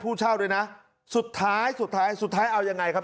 ผู้เช่าด้วยนะสุดท้ายสุดท้ายสุดท้ายสุดท้ายเอายังไงครับ